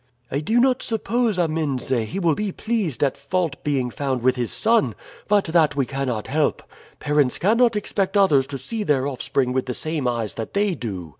"I do not suppose, Amense, he will be pleased at fault being found with his son, but that we cannot help. Parents cannot expect others to see their offspring with the same eyes that they do.